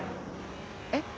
えっ？